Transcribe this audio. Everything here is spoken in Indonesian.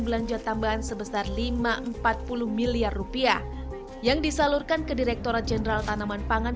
belanja tambahan sebesar lima ratus empat puluh miliar rupiah yang disalurkan ke direkturat jenderal tanaman pangan